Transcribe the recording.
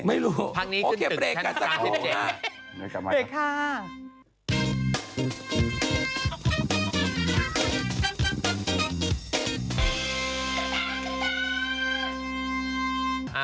ไม่รู้พักนี้คือตึกขั้นคลัก๑๗